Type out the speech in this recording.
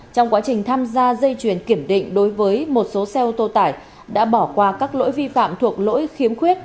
trong quá trình tham gia dây chuyền kiểm định đối với một số xe ô tô tải đã bỏ qua các lỗi vi phạm thuộc lỗi khiếm khuyết